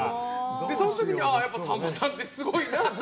その時にやっぱさんまさんってすごいなって。